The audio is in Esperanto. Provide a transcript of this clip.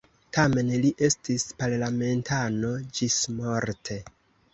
Tamen li estis parlamentano ĝismorte.